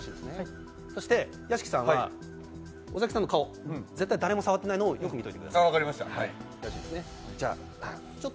そして、屋敷さんは尾崎さんの顔、誰も触ってないのを確認しておいてください。